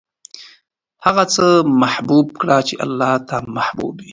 هغه څه محبوب کړه چې اللهﷻ ته محبوب وي.